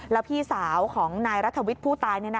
แล้วพี่สาวของนายรัฐวิทย์ผู้ตาย